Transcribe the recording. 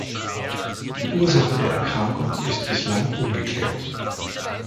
Die Ursache der Erkrankung ist bislang ungeklärt.